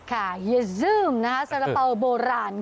ค่ะยะซื้มนะฮะสรรพาวโบราณค่ะ